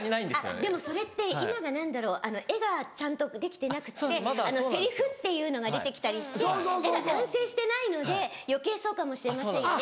でもそれって今が何だろう絵がちゃんとできてなくて「セリフ」っていうのが出て来たりして絵が完成してないので余計そうかもしれませんよね。